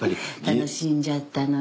楽しんじゃったのね。